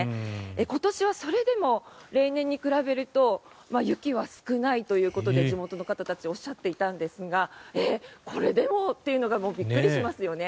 今年はそれでも例年に比べると雪は少ないということを地元の方たちおっしゃっていたんですがこれでも？というのがびっくりしますよね。